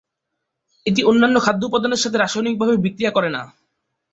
এটি অন্যান্য খাদ্য উপাদানের সাথে রাসায়নিকভাবে বিক্রিয়া করে না।